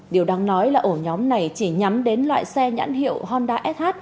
điều đáng nói là ổ nhóm này chỉ nhắm đến loại xe nhãn hiệu honda sh